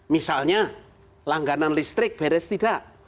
misalnya langganan listrik beres tidak